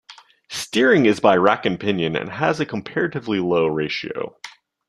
Steering is by rack and pinion and has a comparatively low ratio.